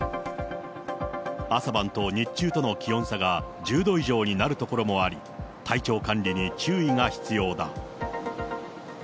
朝晩と日中との気温差が１０度以上になる所もあり、体調管理に注意が必要だ。